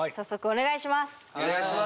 お願いします！